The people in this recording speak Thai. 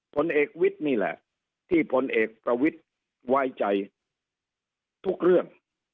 ผลเอกวิทย์นี่แหละที่พลเอกประวิทย์ไว้ใจทุกเรื่อง